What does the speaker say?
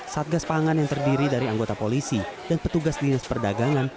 satgas pangan yang terdiri dari anggota polisi dan petugas dinas perdagangan